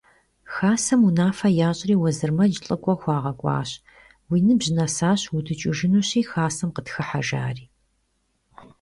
Хасэм унафэ ящӏри, Уэзырмэдж лӏыкӏуэ хуагъэкӏуащ: – Уи ныбжь нэсащ, удукӏыжынущи, хасэм къытхыхьэ, – жари.